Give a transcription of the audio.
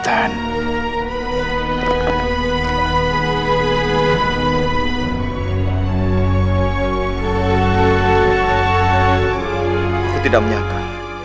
aku tidak menyangka